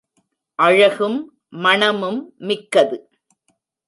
அழகும் மணமும் மிக்கது.